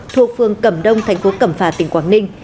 thuộc phương cẩm đông thành phố cẩm phả tỉnh quảng ninh